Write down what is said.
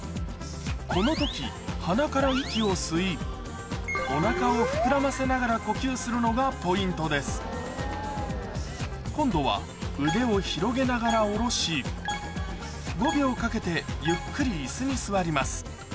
この時鼻から息を吸いお腹を膨らませながら呼吸するのがポイントです今度は腕を広げながら下ろし５秒かけてゆっくり椅子に座ります